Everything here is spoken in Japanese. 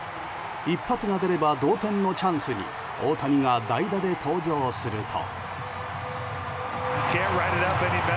一発が出れば同点のチャンスに大谷が代打で登場すると。